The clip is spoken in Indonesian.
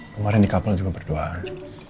kemaren di kapel juga berduaan